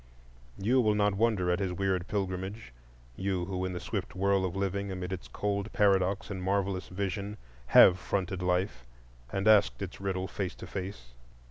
You will not wonder at his weird pilgrimage,—you who in the swift whirl of living, amid its cold paradox and marvellous vision, have fronted life and asked its riddle face to face.